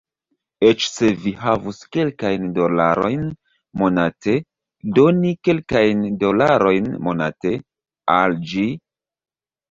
Eĉ se vi havus kelkajn dolarojn monate, doni kelkajn dolarojn monate... al ĝi...